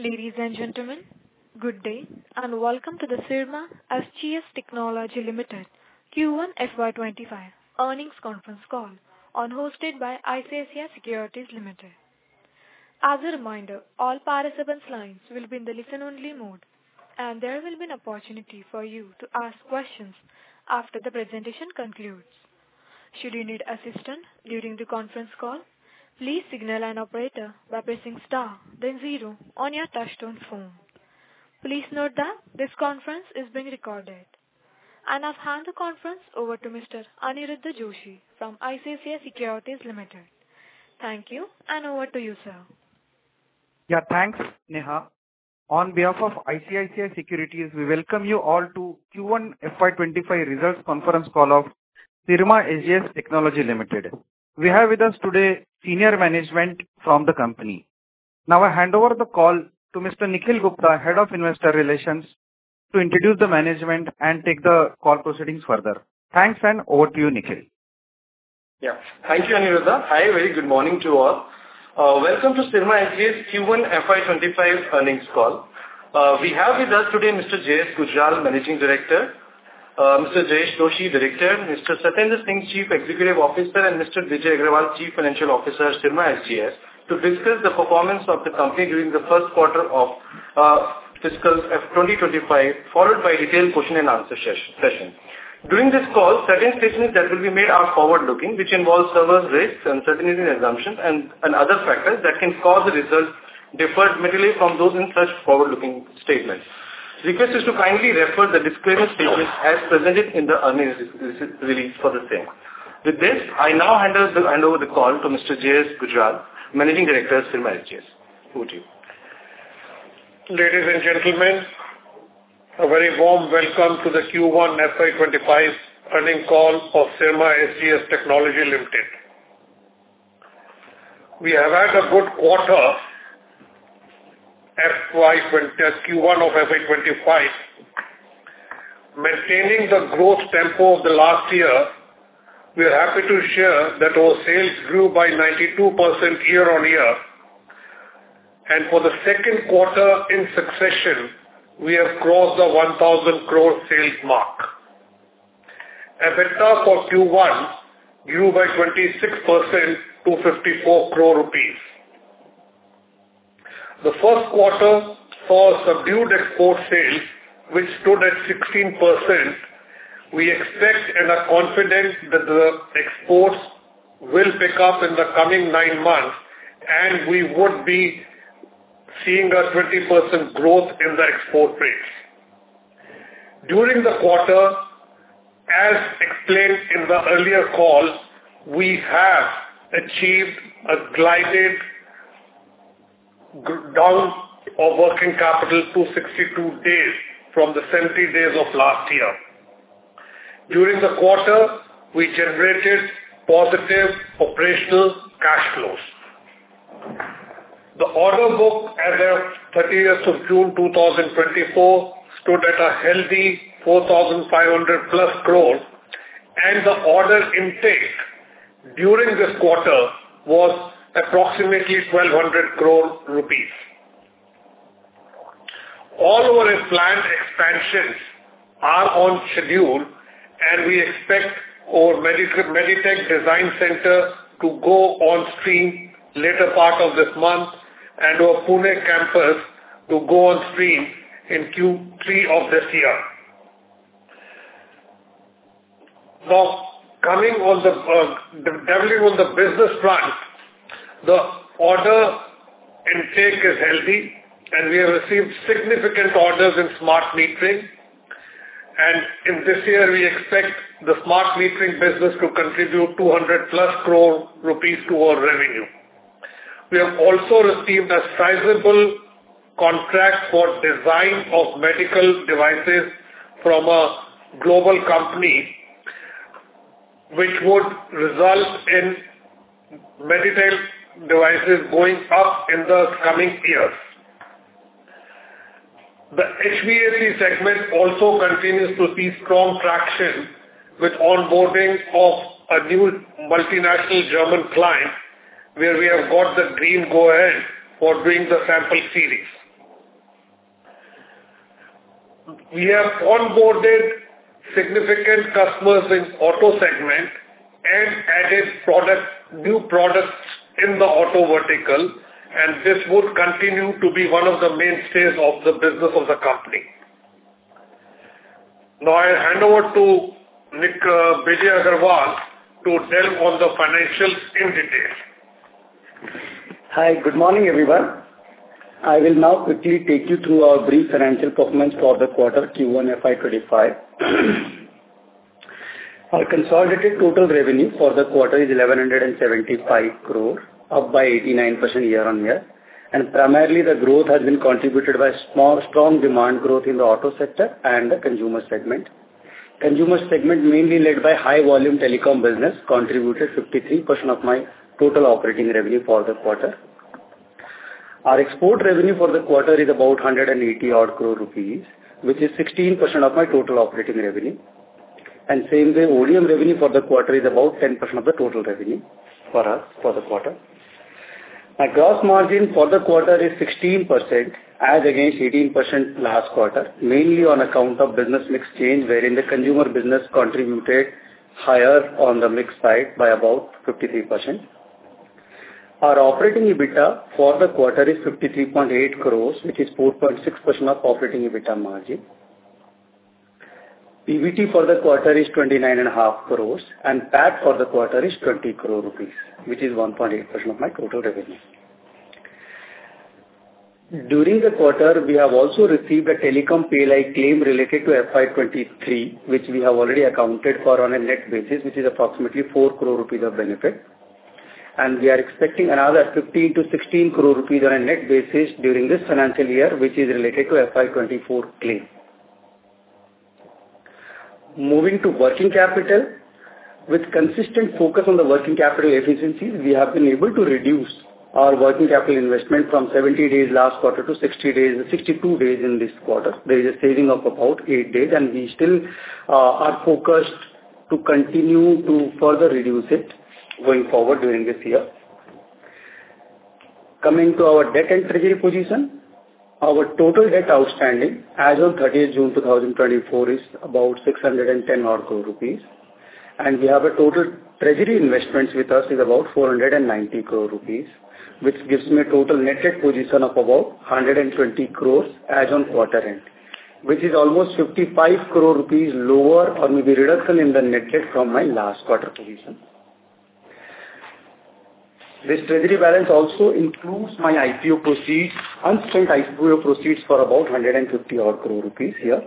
Ladies and gentlemen, good day, and welcome to the Syrma SGS Technology Limited Q1 FY 2025 Earnings Conference Call, hosted by ICICI Securities Limited. As a reminder, all participants' lines will be in the listen-only mode, and there will be an opportunity for you to ask questions after the presentation concludes. Should you need assistance during the conference call, please signal an operator by pressing star then zero on your touchtone phone. Please note that this conference is being recorded. I'll hand the conference over to Mr. Aniruddha Joshi from ICICI Securities Limited. Thank you, and over to you, sir. Yeah, thanks, Neha. On behalf of ICICI Securities, we welcome you all to Q1 FY 2025 results conference call of Syrma SGS Technology Limited. We have with us today senior management from the company. Now, I hand over the call to Mr. Nikhil Gupta, Head of Investor Relations, to introduce the management and take the call proceedings further. Thanks, and over to you, Nikhil. Yeah. Thank you, Aniruddha. Hi, very good morning to all. Welcome to Syrma SGS Q1 FY 2025 earnings call. We have with us today Mr. J.S. Gujral, Managing Director, Mr. Jayesh Doshi, Director, Mr. Satendra Singh, Chief Executive Officer, and Mr. Bijay Agrawal, Chief Financial Officer, Syrma SGS, to discuss the performance of the company during the first quarter of fiscal FY 2025, followed by detailed question and answer session. During this call, certain statements that will be made are forward-looking, which involves several risks, uncertainties, and assumptions and other factors that can cause the results differently from those in such forward-looking statements. Request is to kindly refer the disclaimer statement as presented in the earnings release for the same. With this, I now hand over the call to Mr. J.S. Gujral, Managing Director, Syrma SGS. Over to you. Ladies and gentlemen, a very warm welcome to the Q1 FY 2025 earnings call of Syrma SGS Technology Limited. We have had a good quarter, Q1 of FY 2025. Maintaining the growth tempo of the last year, we are happy to share that our sales grew by 92% year-on-year, and for the second quarter in succession, we have crossed the 1,000 crore sales mark. EBITDA for Q1 grew by 26% to 54 crore rupees. The first quarter saw subdued export sales, which stood at 16%. We expect and are confident that the exports will pick up in the coming nine months, and we would be seeing a 20% growth in the export base. During the quarter, as explained in the earlier call, we have achieved a glide down of working capital to 62 days from the 70 days of last year. During the quarter, we generated positive operational cash flows. The order book, as of 30th of June 2024, stood at a healthy 4,500+ crores, and the order intake during this quarter was approximately 1,200 crores rupees. All our planned expansions are on schedule, and we expect our MedTech design center to go on stream later part of this month and our Pune campus to go on stream in Q3 of this year. Now, coming on the, developing on the business front, the order intake is healthy, and we have received significant orders in smart metering. In this year, we expect the smart metering business to contribute 200+ crore rupees to our revenue. We have also received a sizable contract for design of medical devices from a global company, which would result in MedTech devices going up in the coming years. The HVAC segment also continues to see strong traction with onboarding of a new multinational German client, where we have got the green go-ahead for doing the sample series. We have onboarded significant customers in Auto segment and added products, new products in the Auto vertical, and this would continue to be one of the mainstays of the business of the company. Now, I hand over to, Bijay Agrawal, to tell on the financials in detail. Hi, good morning, everyone. I will now quickly take you through our brief financial performance for the quarter Q1 FY 2025. Our consolidated total revenue for the quarter is 1,175 crore, up by 89% year-on-year, and primarily the growth has been contributed by small strong demand growth in the Auto sector and the Consumer segment. Consumer segment, mainly led by high volume telecom business, contributed 53% of my total operating revenue for the quarter. Our export revenue for the quarter is about 180-odd crore rupees, which is 16% of my total operating revenue. And same day, OEM revenue for the quarter is about 10% of the total revenue for us for the quarter. My gross margin for the quarter is 16%, as against 18% last quarter, mainly on account of business mix change, wherein the Consumer business contributed higher on the mix side by about 53%. Our operating EBITDA for the quarter is 53.8 crore, which is 4.6% of operating EBITDA margin. PBT for the quarter is 29.5 crore, and PAT for the quarter is 20 crore rupees, which is 1.8% of my total revenue. During the quarter, we have also received a Telecom PLI claim related to FY 2023, which we have already accounted for on a net basis, which is approximately 4 crore rupees of benefit, and we are expecting another 15 crore-16 crore rupees on a net basis during this financial year, which is related to FY 2024 claim. Moving to working capital, with consistent focus on the working capital efficiencies, we have been able to reduce our working capital investment from 70 days last quarter to 60 days- 62 days in this quarter. There is a saving of about eight days, and we still are focused to continue to further reduce it going forward during this year. Coming to our debt and treasury position, our total debt outstanding as on 30th June 2024 is about 610-odd crore rupees, and we have a total treasury investments with us is about 490 crore rupees, which gives me a total net debt position of about 120 crore as on quarter end, which is almost 55 crore rupees lower or maybe reduction in the net debt from my last quarter position. This treasury balance also includes unspent IPO proceeds for about 150 crore rupees here.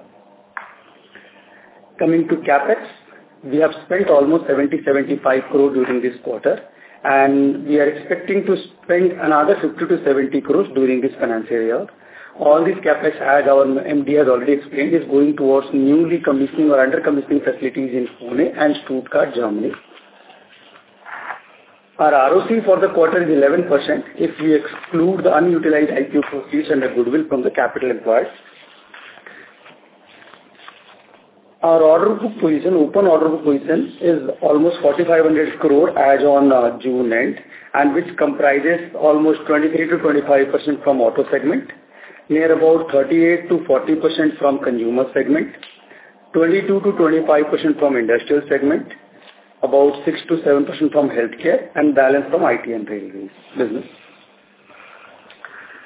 Coming to CapEx, we have spent almost 70 crore-75 crore during this quarter, and we are expecting to spend another 50 crore-70 crore rupees during this financial year. All this CapEx, as our MD has already explained, is going towards newly commissioning or under commissioning facilities in Pune and Stuttgart, Germany. Our ROC for the quarter is 11%, if we exclude the unutilized IPO proceeds and the goodwill from the capital acquired. Our order book position, open order book position, is almost INR 4,500 crore as on June end, and which comprises almost 23%-25% from Auto segment, near about 38%-40% from Consumer segment, 22%-25% from Industrial segment, about 6%-7% from Healthcare, and balance from IT & Railway business.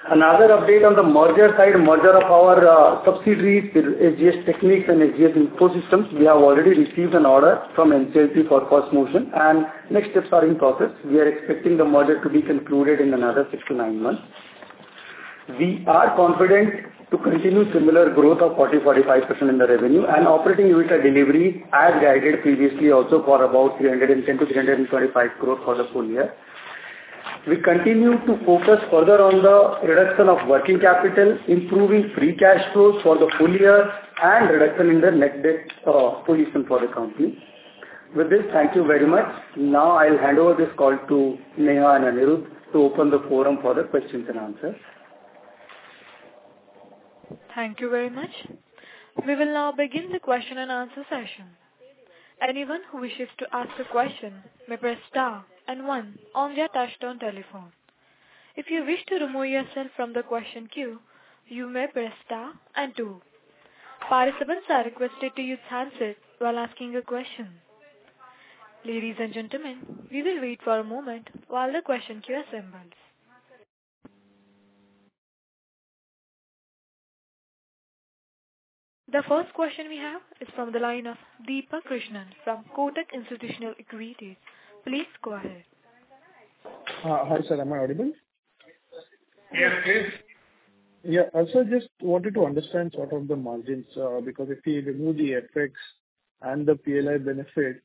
Another update on the merger side, merger of our subsidiaries, SGS Tekniks and SGS Infosystems, we have already received an order from NCLT for first motion, and next steps are in process. We are expecting the merger to be concluded in another six to nine months. We are confident to continue similar growth of 40%-45% in the revenue and operating EBITDA delivery, as guided previously, also for about 310 crore-325 crore for the full year. We continue to focus further on the reduction of working capital, improving free cash flows for the full year and reduction in the net debt position for the company. With this, thank you very much. Now I'll hand over this call to Neha and Aniruddha to open the forum for the questions and answers. Thank you very much. We will now begin the question and answer session. Anyone who wishes to ask a question may press star and one on your touchtone telephone. If you wish to remove yourself from the question queue, you may press star and two. Participants are requested to use handsets while asking a question. Ladies and gentlemen, we will wait for a moment while the question queue assembles. The first question we have is from the line of Deepak Krishnan from Kotak Institutional Equities. Please go ahead. Hi, sir, am I audible? Yes, please. Yeah. I also just wanted to understand sort of the margins, because if you remove the FX and the PLI benefit,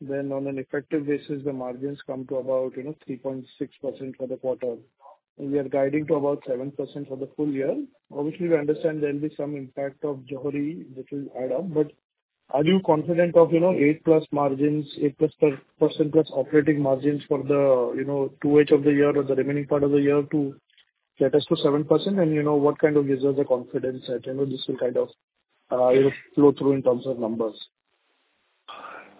then on an effective basis, the margins come to about, you know, 3.6% for the quarter, and we are guiding to about 7% for the full year. Obviously, we understand there will be some impact of Johari, which will add up, but are you confident of, you know, 8%+ margins, 8%+ operating margins for the, you know, 2/8 of the year or the remaining part of the year to get us to 7%? And, you know, what kind of gives us the confidence that, you know, this will kind of flow through in terms of numbers?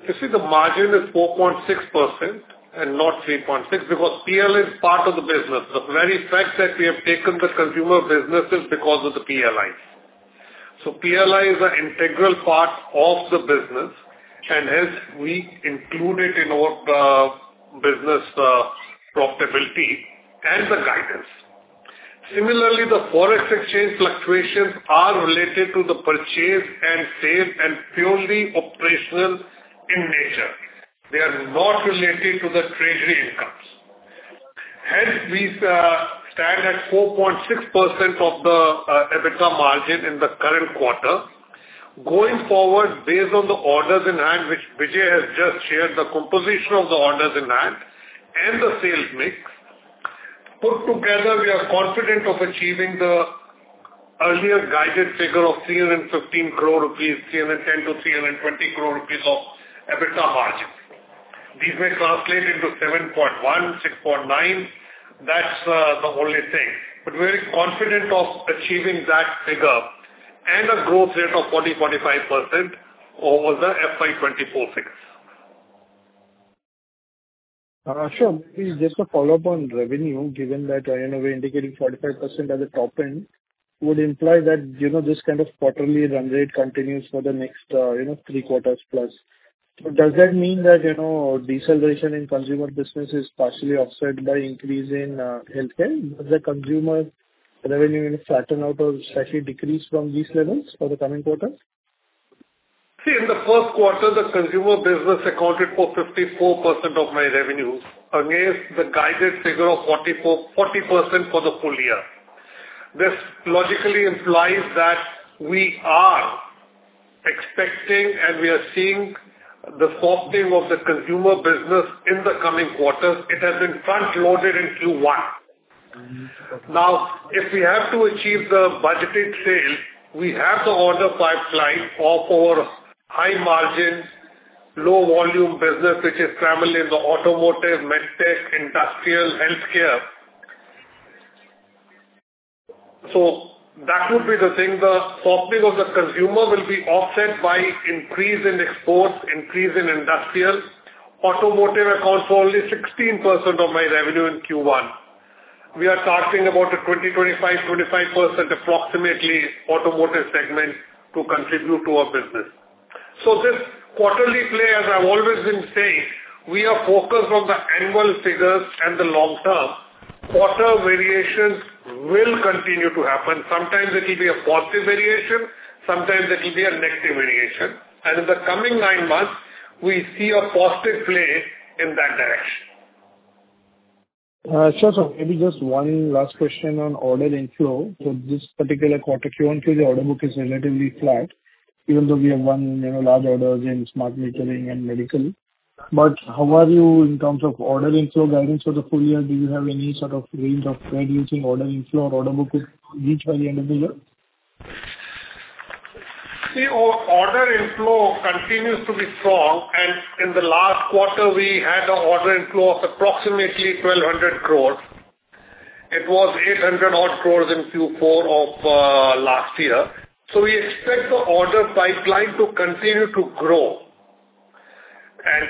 You see, the margin is 4.6% and not 3.6%, because PLI is part of the business. The very fact that we have taken the Consumer business is because of the PLI. So PLI is an integral part of the business, and hence, we include it in our business profitability and the guidance. Similarly, the foreign exchange fluctuations are related to the purchase and sale and purely operational in nature. They are not related to the treasury incomes. Hence, we stand at 4.6% of the EBITDA margin in the current quarter. Going forward, based on the orders in hand, which Bijay has just shared, the composition of the orders in hand and the sales mix, put together, we are confident of achieving the earlier guided figure of 315 crore rupees, 310 crore-320 crore rupees of EBITDA margin. These may translate into 7.1%, 6.9%. That's, the only thing, but we're confident of achieving that figure and a growth rate of 40%-45% over the FY 2024 figures. Sure. Just a follow-up on revenue, given that, you know, we're indicating 45% at the top end, would imply that, you know, this kind of quarterly run rate continues for the next, you know, three quarters plus. So does that mean that, you know, deceleration in Consumer business is partially offset by increase in, Healthcare? Does the Consumer revenue even flatten out or slightly decrease from these levels for the coming quarters? See, in the first quarter, the Consumer business accounted for 54% of my revenue, against the guided figure of 40% for the full year. This logically implies that we are expecting, and we are seeing the softening of the Consumer business in the coming quarters. It has been front-loaded in Q1. Mm. Now, if we have to achieve the budgeted sales, we have the order pipeline of our high margin, low volume business, which is primarily in the Automotive, MedTech, Industrial, Healthcare. So that would be the thing. The softening of the Consumer will be offset by increase in exports, increase in Industrial. Automotive accounts for only 16% of my revenue in Q1. We are targeting about a 20%, 25%, 25%+ approximately Automotive segment to contribute to our business. So this quarterly play, as I've always been saying, we are focused on the annual figures and the long term. Quarter variations will continue to happen. Sometimes it will be a positive variation, sometimes it will be a negative variation, and in the coming nine months, we see a positive play in that direction. Sure, so maybe just one last question on order inflow. So this particular quarter, Q1, the order book is relatively flat, even though we have won, you know, large orders in smart metering and medical. But how are you in terms of order inflow guidance for the full year? Do you have any sort of range of where you think order inflow or order book would reach by the end of the year? See, our order inflow continues to be strong, and in the last quarter we had an order inflow of approximately 1,200 crores. It was 800-odd crores in Q4 of last year. So we expect the order pipeline to continue to grow. And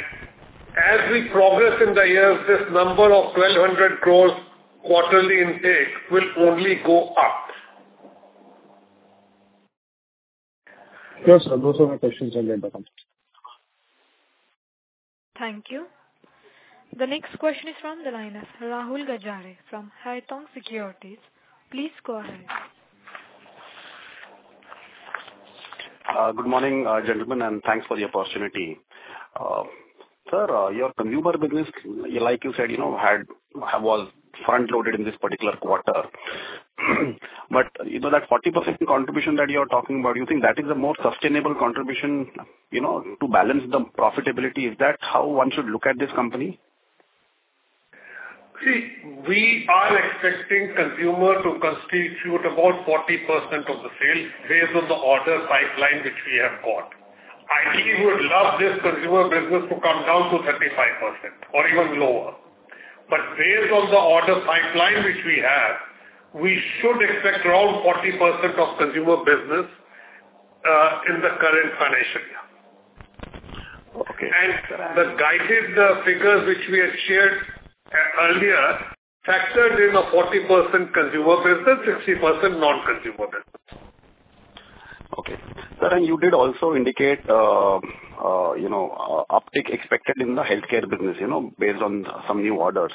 as we progress in the years, this number of 1,200 crores quarterly intake will only go up. Sure, sir. Those are my questions, and thank you. Thank you. The next question is from the line, Rahul Gajare from Haitong Securities. Please go ahead. Good morning, gentlemen, and thanks for the opportunity. Sir, your Consumer business, like you said, you know, was front-loaded in this particular quarter. But you know, that 40% contribution that you're talking about, do you think that is a more sustainable contribution, you know, to balance the profitability? Is that how one should look at this company? See, we are expecting Consumer to constitute about 40% of the sales based on the order pipeline which we have got. Ideally, we would love this Consumer business to come down to 35% or even lower, but based on the order pipeline which we have, we should expect around 40% of Consumer business in the current financial year. Okay. The guided figures which we had shared earlier factored in a 40% Consumer business, 60% non-consumer business. Okay. Sir, and you did also indicate, you know, uptick expected in the Healthcare business, you know, based on some new orders.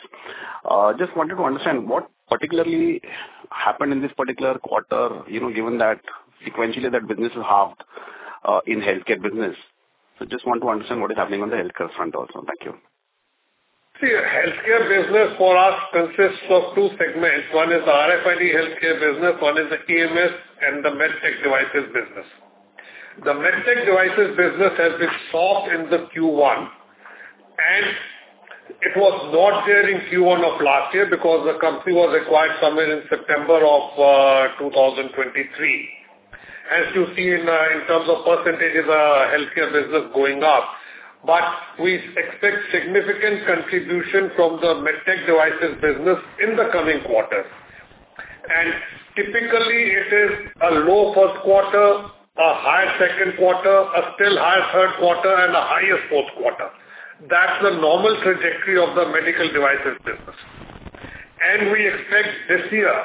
Just wanted to understand, what particularly happened in this particular quarter, you know, given that sequentially that business is halved, in Healthcare business? So just want to understand what is happening on the Healthcare front also. Thank you. See, Healthcare business for us consists of two segments. One is the RFID Healthcare business, one is the EMS and the MedTech devices business. The MedTech devices business has been soft in the Q1, and it was not there in Q1 of last year because the company was acquired somewhere in September of 2023. As you see in in terms of percentages, our Healthcare business going up, but we expect significant contribution from the MedTech devices business in the coming quarters. And typically it is a low first quarter, a higher second quarter, a still higher third quarter, and a highest fourth quarter. That's the normal trajectory of the medical devices business. We expect this year,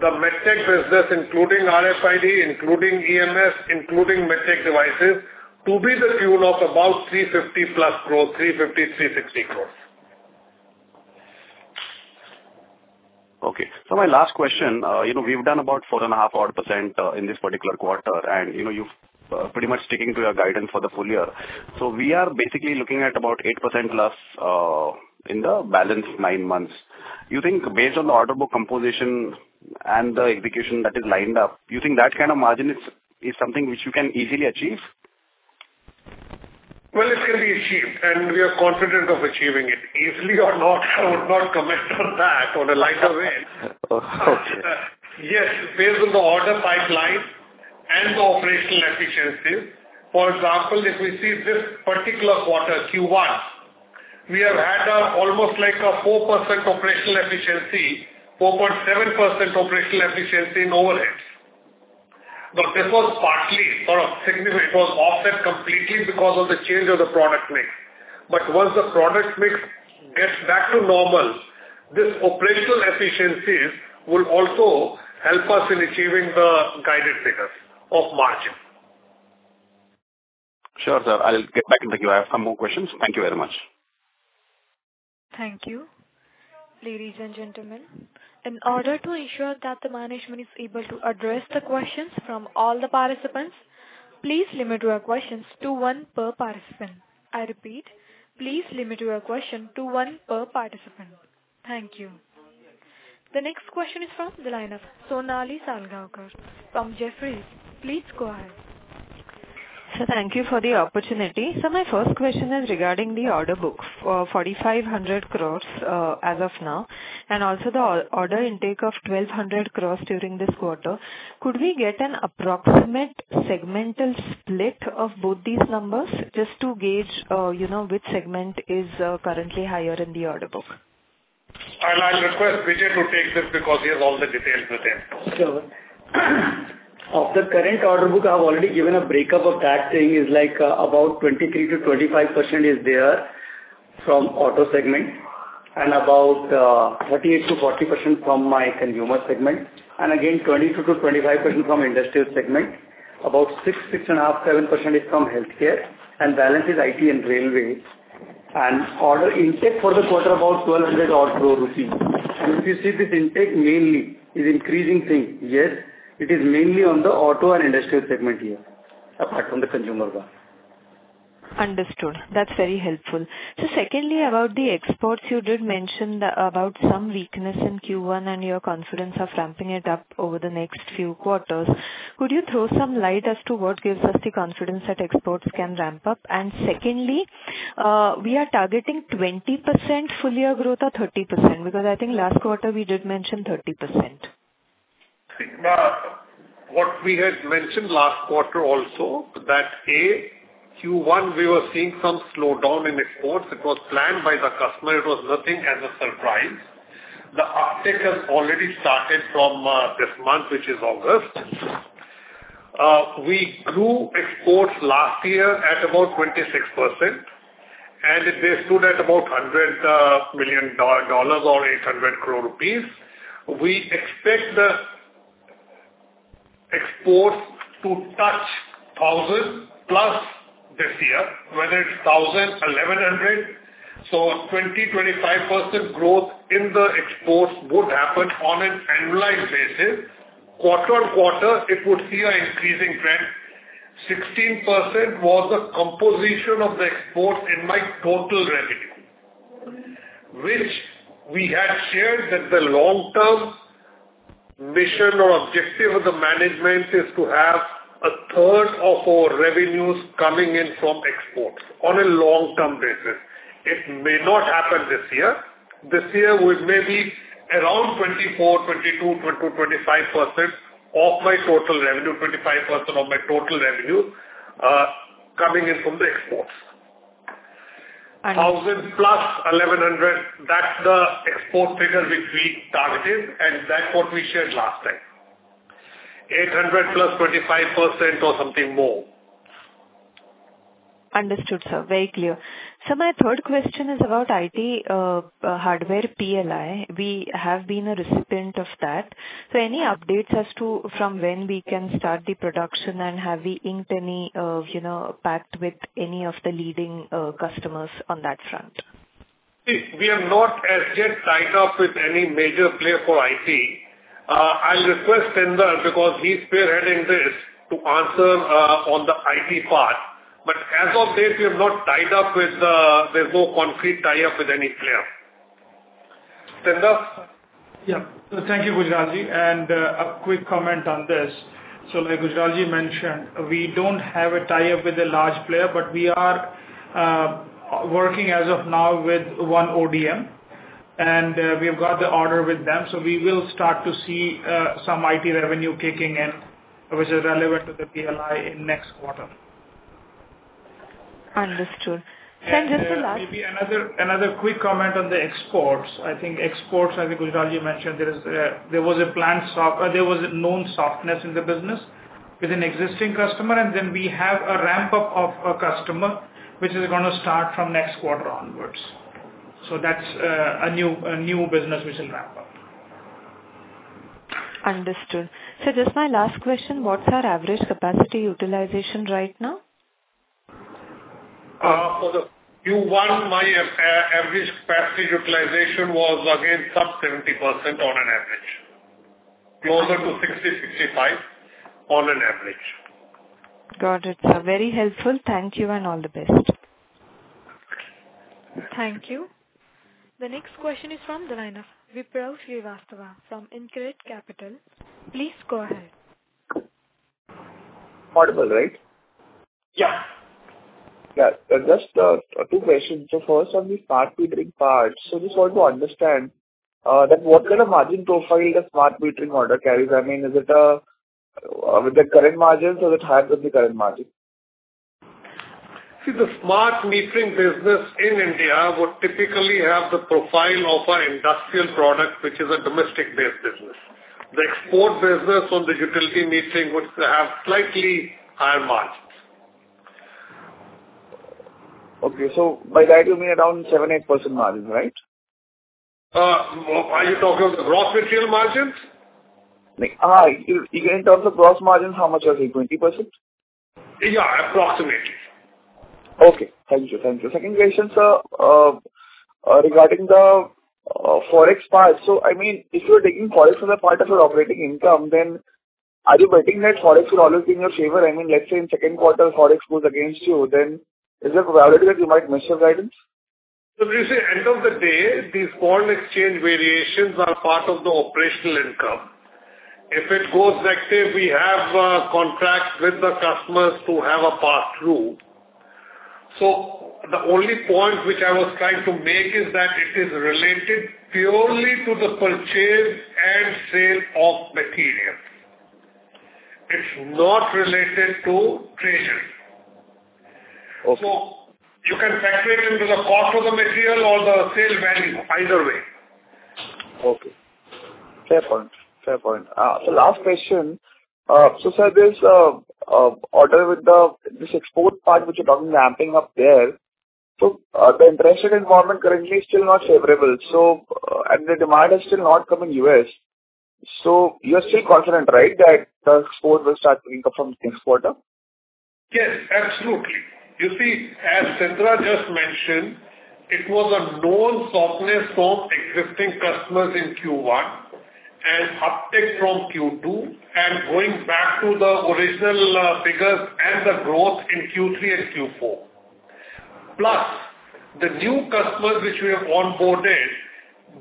the MedTech business, including RFID, including EMS, including MedTech devices, to be the tune of about 350+ crores, 350 crore-360 crore. Okay. So my last question, you know, we've done about 4.5% or so in this particular quarter, and, you know, you've pretty much sticking to your guidance for the full year. So we are basically looking at about 8%+ in the balance nine months. You think based on the order book composition and the execution that is lined up, you think that kind of margin is something which you can easily achieve? Well, it can be achieved, and we are confident of achieving it. Easily or not, I would not comment on that on a lighter vein. Okay. Yes, based on the order pipeline, operational efficiencies. For example, if we see this particular quarter, Q1, we have had almost like a 4% operational efficiency, 4.7% operational efficiency in overheads. But this was partly or significant, it was offset completely because of the change of the product mix. But once the product mix gets back to normal, this operational efficiencies will also help us in achieving the guided figures of margin. Sure, sir. I'll get back to you. I have some more questions. Thank you very much. Thank you. Ladies and gentlemen, in order to ensure that the management is able to address the questions from all the participants, please limit your questions to one per participant. I repeat, please limit your question to one per participant. Thank you. The next question is from the line of Sonali Salgaonkar from Jefferies. Please go ahead. Thank you for the opportunity. My first question is regarding the order books, 4,500 crores, as of now, and also the order intake of 1,200 crores during this quarter. Could we get an approximate segmental split of both these numbers just to gauge, you know, which segment is currently higher in the order book? I'll request Bijay to take this because he has all the details with him. Of the current order book, I've already given a breakup of that thing is like, about 23%-25% is there from Auto segment, and about 38%-40% from my Consumer segment, and again, 22%-25% from Industrial segment. About 6%, 6.5%, 7% is from Healthcare, and balance is IT & Railway. Order intake for the quarter, about 1,200-odd crore rupees. If you see this intake mainly is increasing thing, yes, it is mainly on the Auto and Industrial segment here, apart from the Consumer one. Understood. That's very helpful. So secondly, about the exports, you did mention about some weakness in Q1 and your confidence of ramping it up over the next few quarters. Could you throw some light as to what gives us the confidence that exports can ramp up? And secondly, we are targeting 20% full year growth or 30%? Because I think last quarter we did mention 30%. What we had mentioned last quarter also, that in Q1, we were seeing some slowdown in exports. It was planned by the customer. It was nothing as a surprise. The uptick has already started from this month, which is August. We grew exports last year at about 26%, and they stood at about $100 million, or 800 crore rupees. We expect the exports to touch 1,000+ this year, whether it's 1,000, 1,100. So 20%-25% growth in the exports would happen on an annualized basis. Quarter on quarter, it would see an increasing trend. 16% was the composition of the exports in my total revenue, which we had shared that the long-term mission or objective of the management is to have a third of our revenues coming in from exports on a long-term basis. It may not happen this year. This year, it may be around 24%, 22%, 25% of my total revenue, 25% of my total revenue, coming in from the exports. Understood. 1,000+ 1,100, that's the export figure which we targeted, and that's what we shared last time. 800+ 25% or something more. Understood, sir. Very clear. So my third question is about IT hardware PLI. We have been a recipient of that. So any updates as to from when we can start the production, and have we inked any, you know, pact with any of the leading customers on that front? We have not as yet tied up with any major player for IT. I'll request Satendra, because he's spearheading this, to answer on the IT part. But as of date, we have not tied up with. There's no concrete tie-up with any player. Satendra? Yeah. Thank you, Gujral, and a quick comment on this. So like Gujral mentioned, we don't have a tie-up with a large player, but we are working as of now with one ODM, and we've got the order with them. So we will start to see some IT revenue kicking in, which is relevant to the PLI in next quarter. Understood. And just the last- And, maybe another, another quick comment on the exports. I think exports, as Gujral mentioned, there is, there was a known softness in the business with an existing customer, and then we have a ramp-up of a customer, which is gonna start from next quarter onwards. So that's, a new, a new business which will ramp up. Understood. So just my last question, what's our average capacity utilization right now? For the Q1, my average capacity utilization was again sub 70% on an average, closer to 60%, 65% on an average. Got it, sir. Very helpful. Thank you, and all the best. Thank you. The next question is from the line of Vipraw Srivastava from InCred Capital. Please go ahead. I'm audible, right? Yeah. Yeah, just, two questions. So first on the smart metering part, so just want to understand, that what kind of margin profile the smart metering order carries? I mean, is it, with the current margins or it higher than the current margin? See, the smart metering business in India would typically have the profile of an Industrial product, which is a domestic-based business. The export business on the utility metering would have slightly higher margins. Okay. So by that you mean around 7%, 8% margin, right? Are you talking of the gross material margins? Like, in terms of gross margins, how much is it, 20%? Yeah, approximately. Okay. Thank you. Thank you. Second question, sir, regarding the forex part. So I mean, if you are taking forex as a part of your operating income, then are you betting that forex will always be in your favor? I mean, let's say in second quarter, forex goes against you, then is there a probability that you might miss your guidance? So you see, end of the day, these foreign exchange variations are part of the operational income. If it goes negative, we have contracts with the customers to have a pass-through. So the only point which I was trying to make is that it is related purely to the purchase and sale of material. It's not related to creation. Okay. You can factor it into the cost of the material or the sale value, either way. Okay. Fair point. Fair point. So last question. So sir, this, order with the, this export part, which you're talking ramping up there, so, the international environment currently is still not favorable, so, and the demand is still not coming U.S.. So you are still confident, right, that the export will start to pick up from next quarter? Yes, absolutely. You see, as Satendra just mentioned, it was a known softness of existing customers in Q1, and uptick from Q2, and going back to the original, figures and the growth in Q3 and Q4. Plus, the new customers which we have onboarded,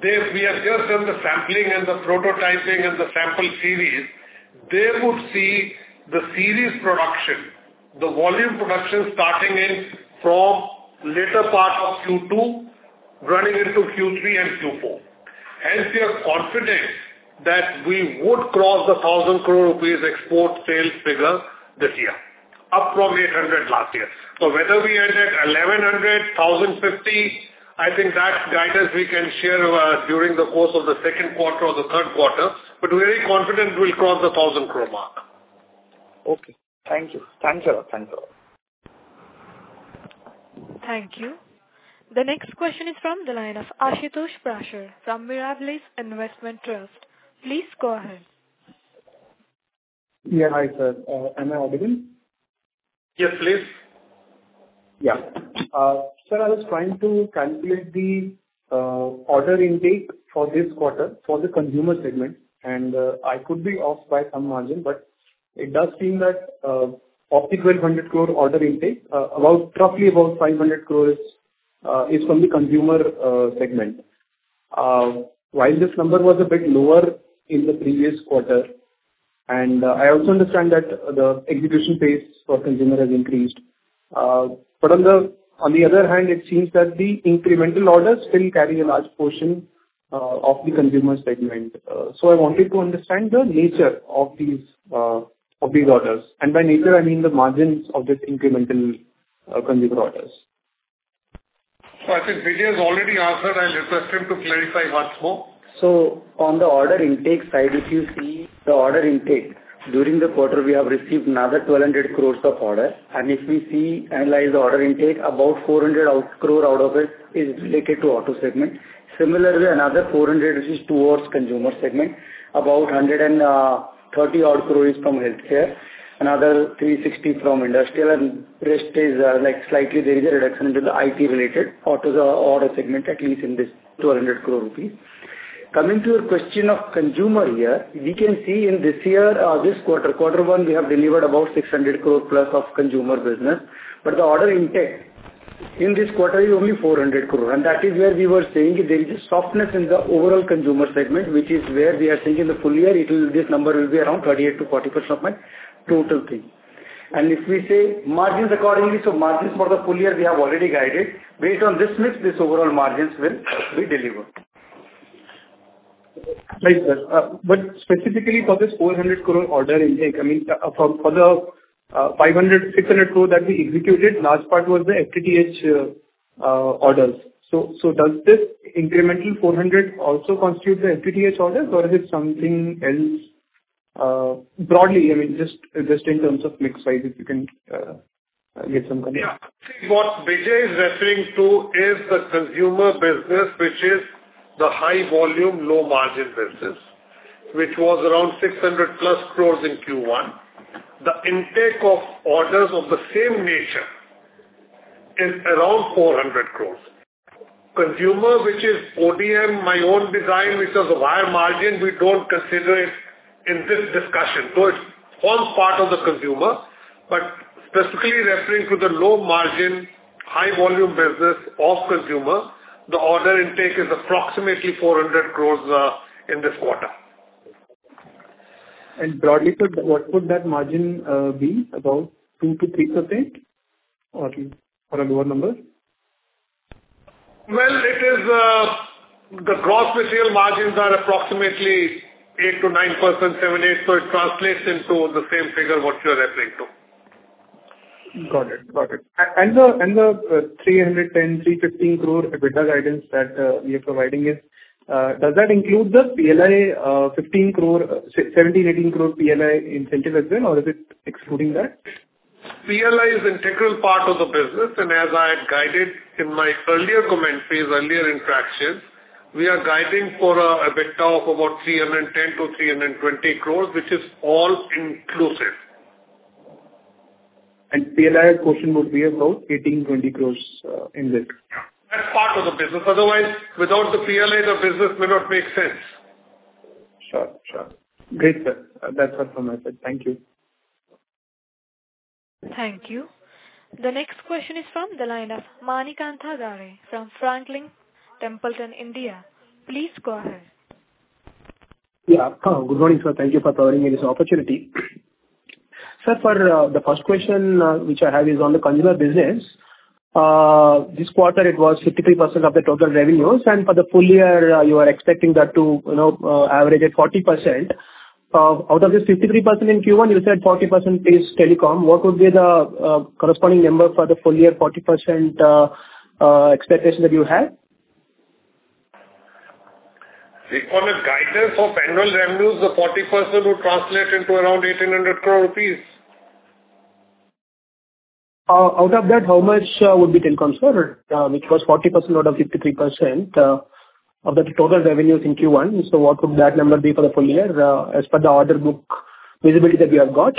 they, we have just done the sampling and the prototyping and the sample series, they would see the series production, the volume production starting in from later part of Q2, running into Q3 and Q4. Hence, we are confident that we would cross the 1,000 crore rupees export sales figure this year, up from 800 crore last year. So whether we end at 1,100 crore, 1,050 crore, I think that guidance we can share, during the course of the second quarter or the third quarter, but very confident we'll cross the 1,000 crore mark. Okay. Thank you. Thanks a lot. Thanks a lot. Thank you. The next question is from the line of Ashutosh Parashar from Mirabilis Investment Trust. Please go ahead. Yeah, hi, sir. Am I audible? Yes, please. Yeah. Sir, I was trying to calculate the order intake for this quarter for the Consumer segment, and I could be off by some margin, but it does seem that of the 200 crore order intake, about roughly 500 crore is from the Consumer segment. While this number was a bit lower in the previous quarter, and I also understand that the execution pace for Consumer has increased. But on the other hand, it seems that the incremental orders still carry a large portion of the Consumer segment. So I wanted to understand the nature of these orders, and by nature, I mean the margins of this incremental Consumer orders. I think Bijay has already answered. I'll request him to clarify much more. So on the order intake side, if you see the order intake, during the quarter, we have received another 200 crore of order. And if we see, analyze the order intake, about 400 crore out of it is related to Auto segment. Similarly, another 400, which is towards Consumer segment, about 130-odd crore is from Healthcare, another 360 crore from Industrial, and rest is, like, slightly there is a reduction in the IT related or to the order segment, at least in this 200 crore rupees. Coming to your question of Consumer here, we can see in this year, this quarter, quarter one, we have delivered about 600+ crore of Consumer business, but the order intake in this quarter is only 400 crore. That is where we were saying there is a softness in the overall Consumer segment, which is where we are saying in the full year, it will... this number will be around 38%-40% of my total thing. If we say margins accordingly, so margins for the full year, we have already guided. Based on this mix, this overall margins will be delivered. Right, sir. But specifically for this 400 crore order intake, I mean, for the 500-600 crore that we executed, large part was the FTTH orders. So, does this incremental 400 crore also constitute the FTTH orders, or is it something else? Broadly, I mean, just in terms of mix wise, if you can give some comment. Yeah. What Bijay is referring to is the Consumer business, which is the high volume, low margin business, which was around 600+ crore in Q1. The intake of orders of the same nature is around 400 crore. Consumer, which is ODM, my own design, which is a higher margin, we don't consider it in this discussion. So it's all part of the Consumer, but specifically referring to the low margin, high volume business of Consumer, the order intake is approximately 400 crore in this quarter. And broadly, so what would that margin be? About 2%-3%, or, or a lower number? Well, it is, the gross material margins are approximately 8%-9%, 7%, 8%, so it translates into the same figure what you are referring to. Got it. Got it. And the INR 310, 315 crore EBITDA guidance that you're providing us, does that include the PLI 15 crore, 17 crore-INR18 crore PLI incentive as well, or is it excluding that? PLI is integral part of the business, and as I had guided in my earlier comments, earlier interactions, we are guiding for a EBITDA of about 310 crore-320 crore, which is all inclusive. PLI portion would be about 18 crore-20 crore in this? That's part of the business. Otherwise, without the PLI, the business may not make sense. Sure. Sure. Great, sir. That's all from my side. Thank you. Thank you. The next question is from the line of Manikantha Garre, from Franklin Templeton India. Please go ahead. Yeah. Good morning, sir. Thank you for providing me this opportunity. Sir, for the first question, which I have is on the Consumer business. This quarter it was 53% of the total revenues, and for the full year, you are expecting that to, you know, average at 40%. Out of this 53% in Q1, you said 40% is telecom. What would be the corresponding number for the full year 40% expectation that you have? We call it guidance of annual revenues of 40% would translate into around 1,800 crore rupees. Out of that, how much would be telecom server? Which was 40% out of 53% of the total revenues in Q1. So what would that number be for the full year as per the order book visibility that we have got?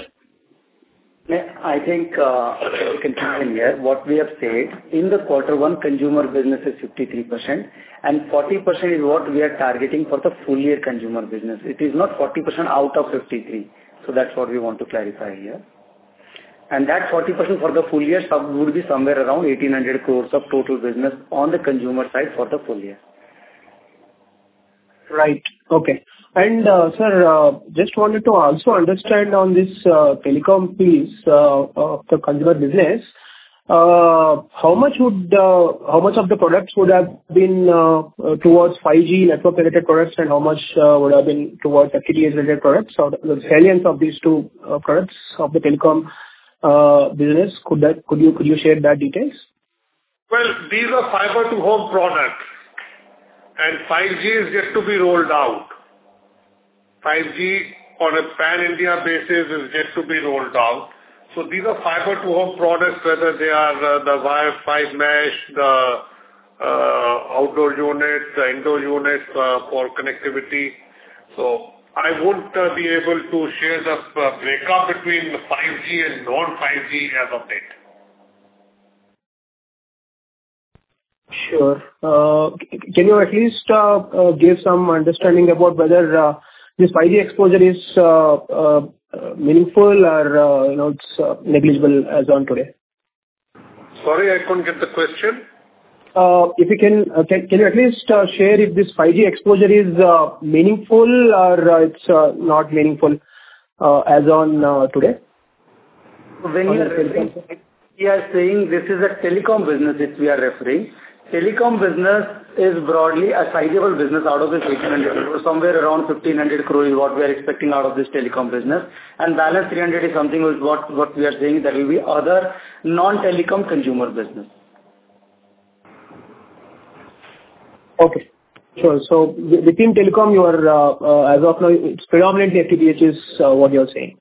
Yeah, I think, we can clarify here. What we have said, in the quarter one, Consumer business is 53%, and 40% is what we are targeting for the full year Consumer business. It is not 40% out of 53%. So that's what we want to clarify here. And that 40% for the full year sub would be somewhere around 1,800 crore of total business on the Consumer side for the full year. Right. Okay. And, sir, just wanted to also understand on this, telecom piece, of the Consumer business, how much of the products would have been towards 5G network-related products, and how much would have been towards FTTH-related products, or the salience of these two products of the telecom business? Could you share that details? Well, these are fiber-to-home products, and 5G is yet to be rolled out. 5G on a pan-India basis is yet to be rolled out. So these are fiber-to-home products, whether they are the Wi-Fi mesh, the outdoor units, the indoor units for connectivity. So I won't be able to share the breakup between the 5G and non-5G as of date. Sure. Can you at least give some understanding about whether this 5G exposure is meaningful or, you know, it's negligible as on today? Sorry, I couldn't get the question. If you can, can you at least share if this 5G exposure is meaningful or it's not meaningful as on today? When we are saying this is a telecom business, which we are referring. Telecom business is broadly a sizable business out of this 1,800 crore, somewhere around 1,500 crore is what we are expecting out of this telecom business. And balance 300 crore is something with what, what we are saying that will be other non-telecom Consumer business. Okay. Sure. So within telecom, you are, as of now, it's predominantly FTTH is what you are saying.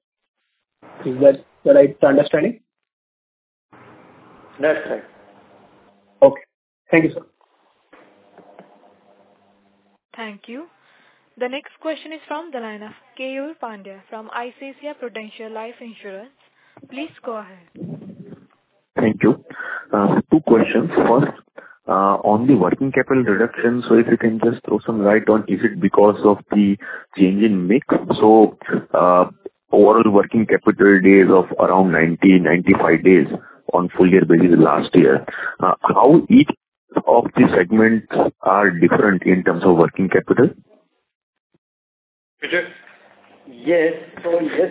Is that the right understanding? That's right. Okay. Thank you, sir. Thank you. The next question is from the line of Keyur Pandya from ICICI Prudential Life Insurance. Please go ahead. Thank you. Two questions. First, on the working capital reduction, so if you can just throw some light on, is it because of the change in mix? So, overall working capital days of around 90, 95 days on full year basis last year, how each of the segments are different in terms of working capital? Bijay. Yes. So yes,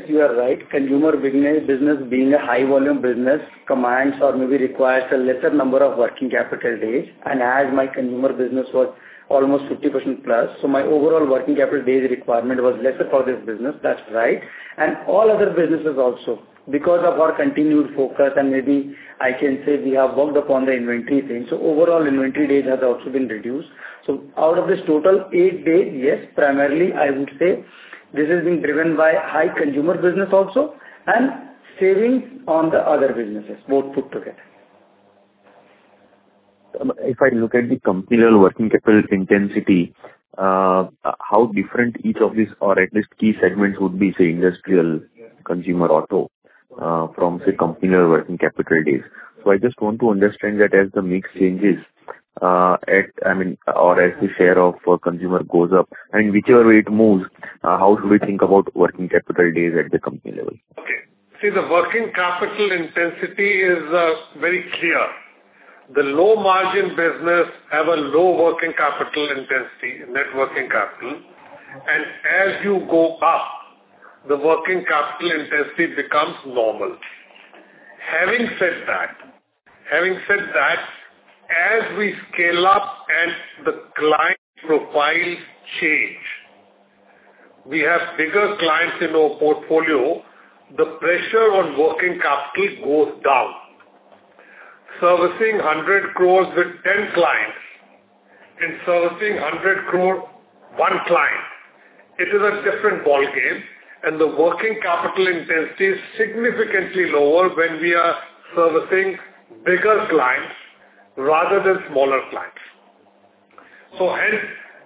you are right. Consumer business, being a high volume business, commands or maybe requires a lesser number of working capital days, and as my Consumer business was almost 50% plus, so my overall working capital days requirement was lesser for this business. That's right. And all other businesses also, because of our continued focus, and maybe I can say we have worked upon the inventory things. So overall inventory days has also been reduced. So out of this total eight days, yes, primarily I would say this has been driven by high Consumer business also and savings on the other businesses, both put together. If I look at the company-level working capital intensity, how different each of these or at least key segments would be, say, Industrial, Consumer, Auto, from, say, company-level working capital days? So I just want to understand that as the mix changes, I mean, or as the share of Consumer goes up, I mean, whichever way it moves, how do we think about working capital days at the company level? Okay. See, the working capital intensity is very clear. The low margin business have a low working capital intensity, net working capital, and as you go up, the working capital intensity becomes normal. Having said that, having said that, as we scale up and the client profiles change, we have bigger clients in our portfolio, the pressure on working capital goes down. Servicing 100 crores with 10 clients and servicing 100 crore one client, it is a different ballgame, and the working capital intensity is significantly lower when we are servicing bigger clients rather than smaller clients. So hence,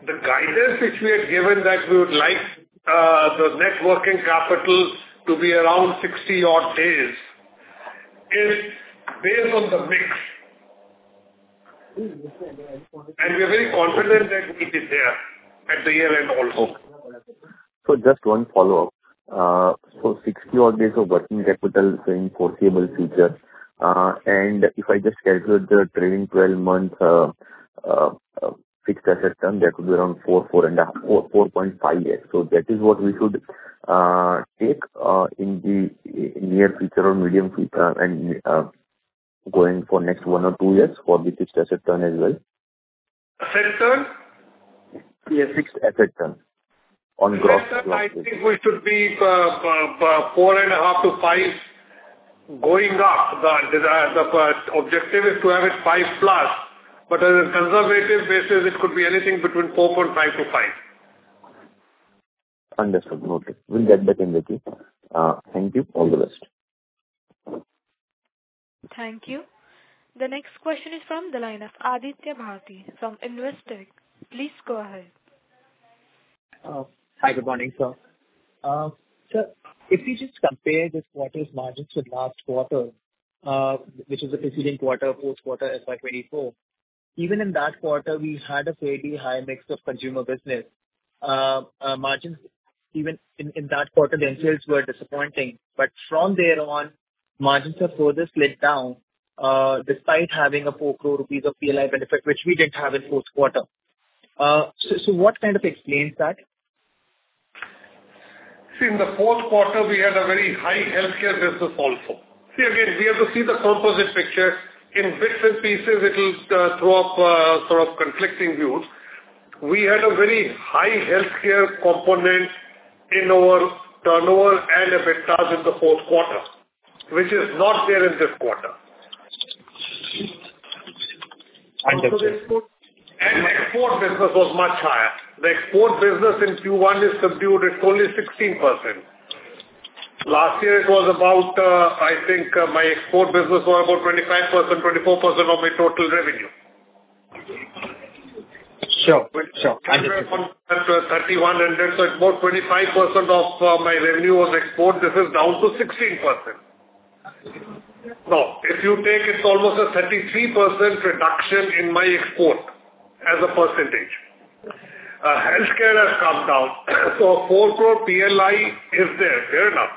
the guidance which we had given that we would like the net working capital to be around 60-odd days is based on the mix. And we are very confident that it is there at the year-end also. So just one follow-up. So 60-odd days of working capital in foreseeable future, and if I just calculate the trailing 12 months fixed asset turn, that would be around 4.5 years. So that is what we should take in the near future or medium future and going for next one or two years for the fixed asset turn as well? Asset turn? Yes, fixed asset turn. On gross- I think we should be 4.5-5. Going up, the objective is to have it 5+, but on a conservative basis, it could be anything between 4.5-5. Understood. Okay. We'll get back in with you. Thank you. All the best. Thank you. The next question is from the line of Aditya Bharti from Investec. Please go ahead. Hi, good morning, sir. Sir, if we just compare this quarter's margins with last quarter, which is the preceding quarter, fourth quarter, FY 2024, even in that quarter, we had a fairly high mix of Consumer business. Margins even in that quarter, the sales were disappointing, but from there on, margins have further slid down, despite having a 4 crore rupees of PLI benefit, which we didn't have in fourth quarter. So, what kind of explains that? See, in the fourth quarter, we had a very high Healthcare business also. See, again, we have to see the composite picture. In bits and pieces, it will throw up sort of conflicting views. We had a very high Healthcare component in our turnover and EBITDA in the fourth quarter, which is not there in this quarter. Understood. Export business was much higher. The export business in Q1 is subdued at only 16%. Last year, it was about, I think, my export business was about 25%, 24% of my total revenue. Sure. Sure. 31% and then so it's about 25% of my revenue on export. This is down to 16%. Now, if you take, it's almost a 33% reduction in my export as a percentage. Healthcare has come down, so 4 crore PLI is there, fair enough,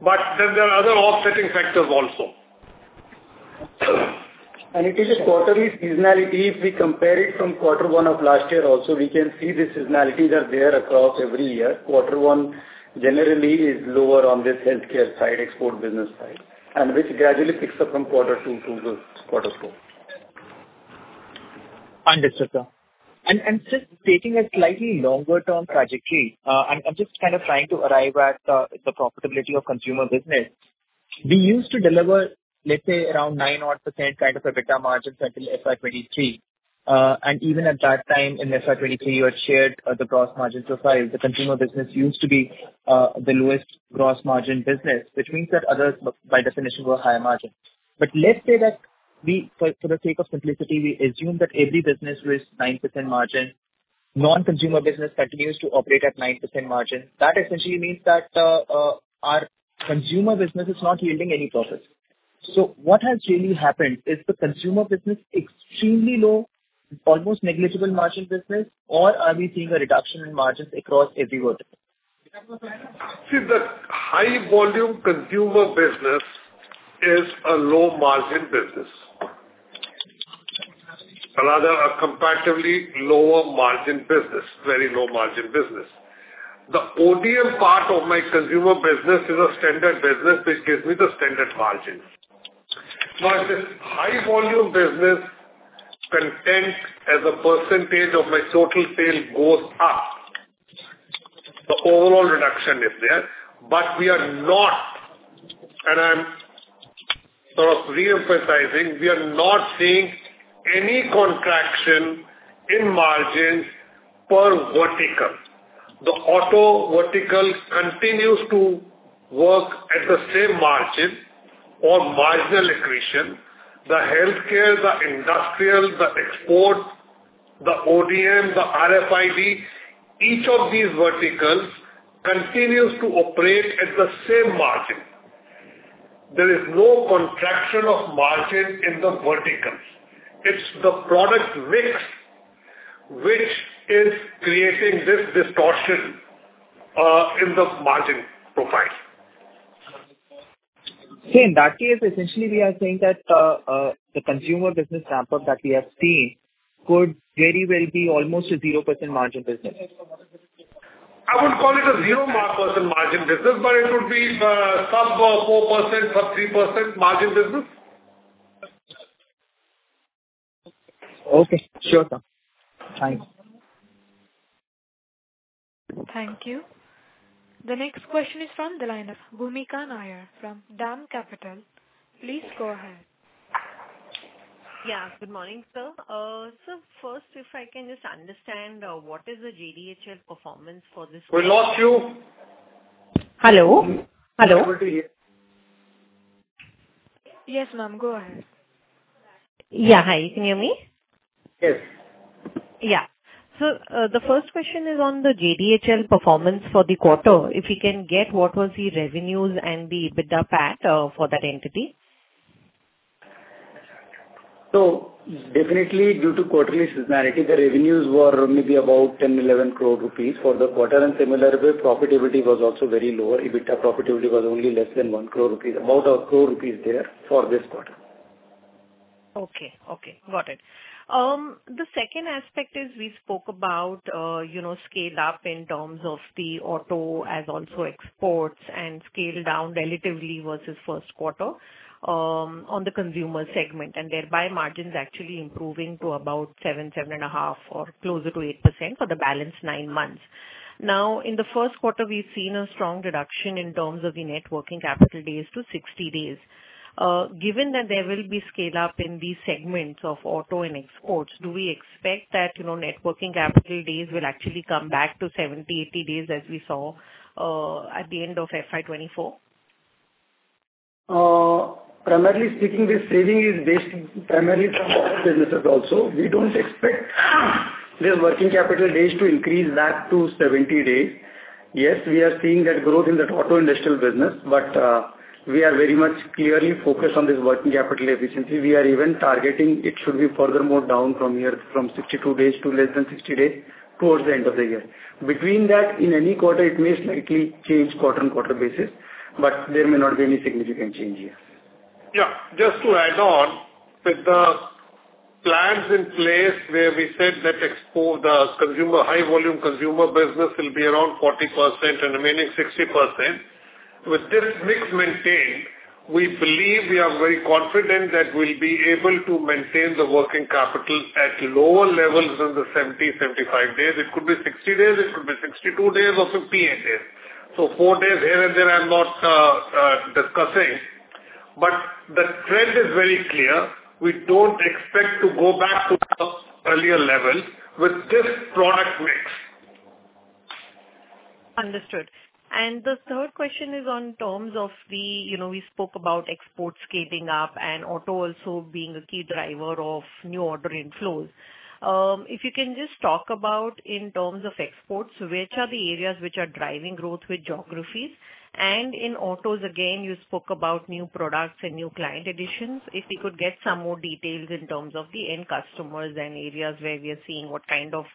but then there are other offsetting factors also. It is a quarterly seasonality. If we compare it from quarter one of last year also, we can see the seasonalities are there across every year. Quarter one generally is lower on this Healthcare side, export business side, and which gradually picks up from quarter two to the quarter four. Understood, sir. And just taking a slightly longer term tragically, I'm just kind of trying to arrive at the profitability of Consumer business. We used to deliver, let's say, around 9% odd kind of EBITDA margins until FY 2023. And even at that time, in FY 2023, you had shared the gross margins of 5%. The Consumer business used to be the lowest gross margin business, which means that others, by definition, were higher margin. But let's say that we, for the sake of simplicity, we assume that every business was 9% margin. Non-consumer business continues to operate at 9% margin. That essentially means that our Consumer business is not yielding any profit. So what has really happened? Is the Consumer business extremely low, almost negligible margin business, or are we seeing a reduction in margins across every vertical? See, the high volume Consumer business is a low margin business. Another, a comparatively lower margin business, very low margin business. The ODM part of my Consumer business is a standard business, which gives me the standard margin. Now, if this high volume business content as a percentage of my total sales goes up, the overall reduction is there, but we are not, and I'm sort of re-emphasizing, we are not seeing any contraction in margins per vertical. The Auto vertical continues to work at the same margin or marginal accretion. The Healthcare, the Industrial, the export, the ODM, the RFID, each of these verticals continues to operate at the same margin. There is no contraction of margin in the verticals. It's the product mix which is creating this distortion in the margin profile. See, in that case, essentially we are saying that, the Consumer business ramp up that we have seen could very well be almost a 0% margin business. I wouldn't call it a 0% margin business, but it would be sub-4%, sub-3% margin business. Okay. Sure, sir. Thanks. Thank you. The next question is from the line of Bhoomika Nair from DAM Capital. Please go ahead. Yeah, good morning, sir. First, if I can just understand, what is the JDHL performance for this- We lost you. Hello? Hello. Yes, ma'am, go ahead. Yeah. Hi, can you hear me? Yes. Yeah. So, the first question is on the JDHL performance for the quarter. If we can get what was the revenues and the EBITDA PAT for that entity? Definitely due to quarterly seasonality, the revenues were maybe about 10 crore-11 crore rupees for the quarter, and similarly, profitability was also very low. EBITDA profitability was only less than 1 crore rupees, about a 1 crore rupees there for this quarter. Okay. Okay, got it. The second aspect is we spoke about, you know, scale up in terms of the Auto as also exports and scale down relatively versus first quarter, on the Consumer segment, and thereby margins actually improving to about 7%, 7.5% or closer to 8% for the balance nine months. Now, in the first quarter, we've seen a strong reduction in terms of the net working capital days to 60 days. Given that there will be scale up in these segments of Auto and exports, do we expect that, you know, net working capital days will actually come back to 70, 80 days, as we saw, at the end of FY 2024? Primarily speaking, this saving is based primarily from businesses also. We don't expect the working capital days to increase back to 70 days. Yes, we are seeing that growth in that Auto, Industrial business, but, we are very much clearly focused on this working capital efficiency. We are even targeting it should be furthermore down from here, from 62 days to less than 60 days towards the end of the year. Between that, in any quarter, it may slightly change quarter-on-quarter basis, but there may not be any significant change here. Yeah. Just to add on, with the plans in place where we said that the Consumer, high volume Consumer business will be around 40% and remaining 60%. With this mix maintained, we believe we are very confident that we'll be able to maintain the working capital at lower levels than the 70, 75 days. It could be 60 days, it could be 62 days or 58 days. So four days here and there, I'm not discussing, but the trend is very clear. We don't expect to go back to the earlier levels with this product mix. Understood. And the third question is on terms of the... You know, we spoke about exports scaling up and Auto also being a key driver of new order inflows. If you can just talk about in terms of exports, which are the areas which are driving growth with geographies? And in Autos, again, you spoke about new products and new client additions. If we could get some more details in terms of the end customers and areas where we are seeing, what kind of,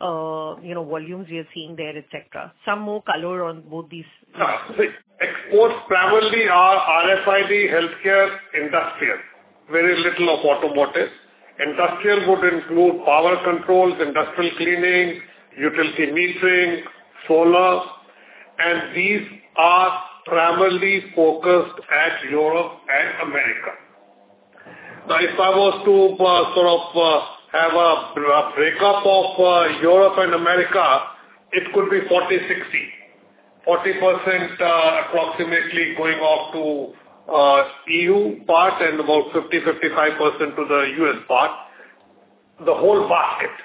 you know, volumes we are seeing there, etcetera. Some more color on both these. Yeah. The exports primarily are RFID, Healthcare, Industrial, very little of Automotive. Industrial would include power controls, Industrial cleaning, utility metering, solar, and these are primarily focused at Europe and America. Now, if I was to sort of have a breakup of Europe and America, it could be 40%-60%. 40%, approximately, going off to E.U. part and about 50%-55% to the U.S. part. The whole basket,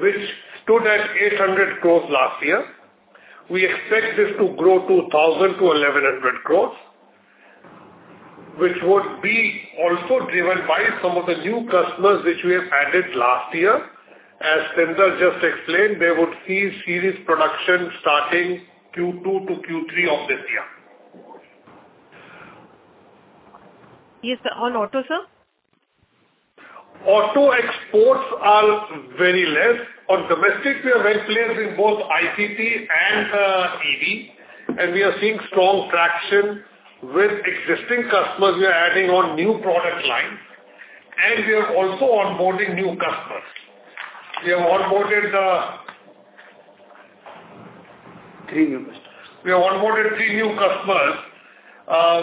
which stood at 800 crores last year, we expect this to grow to 1,000 crore-1,100 crores, which would be also driven by some of the new customers which we have added last year. As Sridhar just explained, they would see serious production starting Q2 to Q3 of this year. Yes, sir. On Auto, sir? Auto exports are very less. On domestic, we are well placed in both ICE and, EV, and we are seeing strong traction with existing customers. We are adding on new product lines, and we are also onboarding new customers. We have onboarded, Three new customers. We have onboarded three new customers,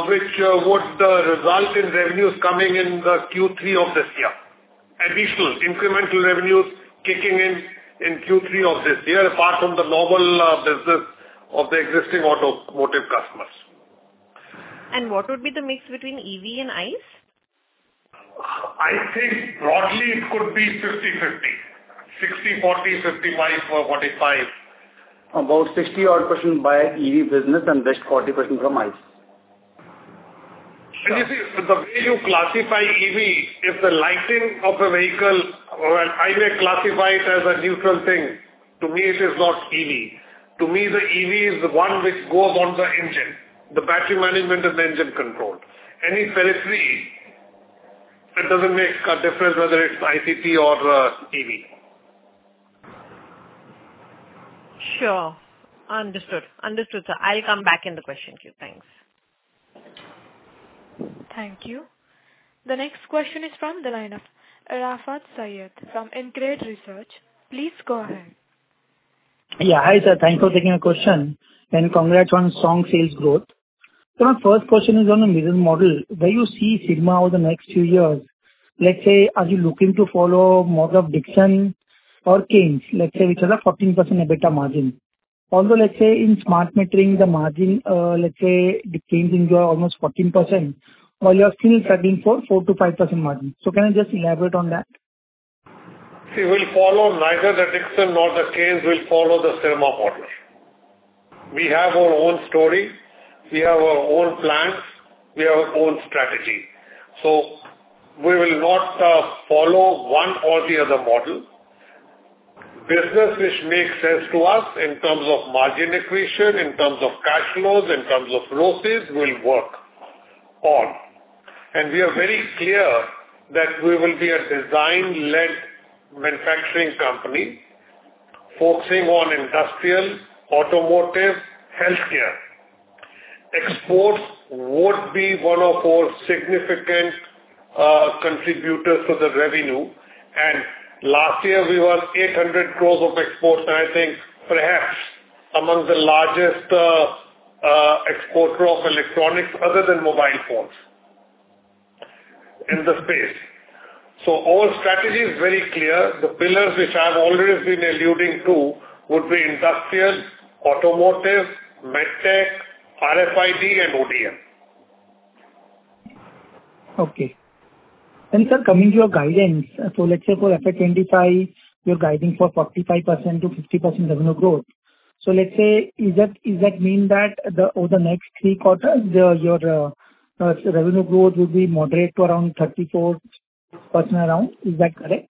which would result in revenues coming in the Q3 of this year. Additional incremental revenues kicking in, in Q3 of this year, apart from the normal business of the existing Automotive customers. What would be the mix between EV and ICE? I think broadly it could be 50/50, 60/40, 55% or 45%. About 60-odd% by EV business and rest 40% from ICE. You see, the way you classify EV, if the lighting of a vehicle or I may classify it as a neutral thing, to me it is not EV. To me, the EV is the one which goes on the engine, the battery management and the engine control. Any periphery, it doesn't make a difference whether it's ICE or EV. Sure. Understood. Understood, sir. I'll come back in the question queue. Thanks. Thank you. The next question is from the line of Arafat Saiyed from InCred Research. Please go ahead. Yeah. Hi, sir. Thanks for taking the question, and congrats on strong sales growth. So my first question is on the business model. Where you see Syrma over the next few years, let's say, are you looking to follow model of Dixon or Kaynes, let's say, which are the 14% EBITDA margin? Although, let's say, in smart metering, the margin, let's say, the Kaynes enjoy almost 14%, while you are still targeting for 4%-5% margin. So can you just elaborate on that? See, we'll follow neither the Dixon nor the Kaynes, we'll follow the Syrma model. We have our own story, we have our own plans, we have our own strategy. So we will not follow one or the other model. Business which makes sense to us in terms of margin accretion, in terms of cash flows, in terms of growth, we'll work on. And we are very clear that we will be a design-led manufacturing company, focusing on Industrial, Automotive, Healthcare. Exports would be one of our significant contributors to the revenue, and last year we were 800 crore of exports, and I think perhaps among the largest exporter of electronics other than mobile phones in the space. So our strategy is very clear. The pillars, which I've already been alluding to, would be Industrial, Automotive, MedTech, RFID, and ODM. Okay. And, sir, coming to your guidance, so let's say for FY 2025, you're guiding for 45%-50% revenue growth. So let's say, is that, is that mean that the, over the next three quarters, the, your, revenue growth will be moderate to around 34% around? Is that correct?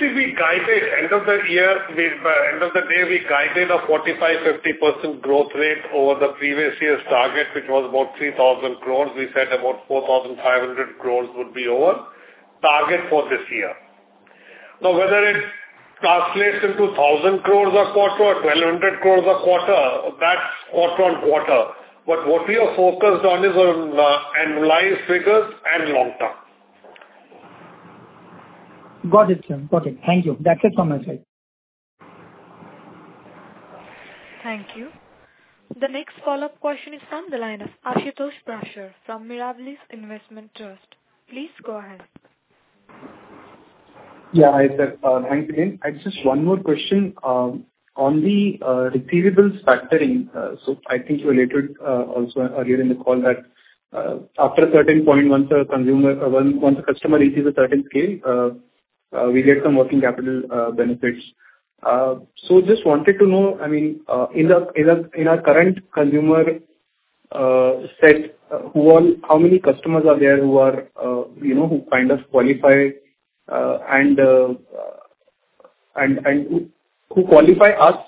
See, we guided end of the year, we, end of the day, we guided a 45%-50% growth rate over the previous year's target, which was about 3,000 crores. We said about 4,500 crores would be our target for this year. Now, whether it translates into 1,000 crores a quarter or 1,200 crores a quarter, that's quarter-on-quarter. But what we are focused on is on, annualized figures and long term. Got it, sir. Got it. Thank you. That's it from my side. Thank you. The next follow-up question is from the line of Ashutosh Parashar from Mirabilis Investment Trust. Please go ahead. Yeah, hi, sir. Thanks again. I just one more question on the receivables factoring. So I think you alluded also earlier in the call that after a certain point, once a consumer once a customer reaches a certain scale, we get some working capital benefits. So just wanted to know, I mean, in our current consumer set, who all, how many customers are there who are, you know, who kind of qualify, and who qualify us